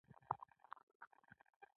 ایا ستاسو قاضي به ایماندار وي؟